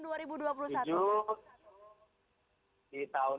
di tahun dua ribu dua puluh satu